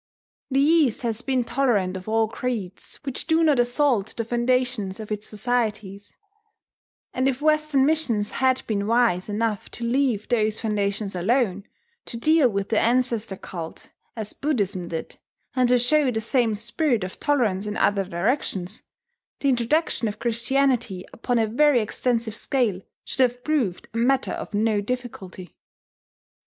The East has been tolerant of all creeds which do not assault the foundations of its societies; and if Western missions had been wise enough to leave those foundations alone, to deal with the ancestor cult as Buddhism did, and to show the same spirit of tolerance in other directions, the introduction of Christianity upon a very extensive scale should have proved a matter of no difficulty.